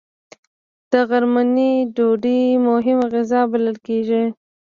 د غرمنۍ ډوډۍ مهمه غذا بلل کېږي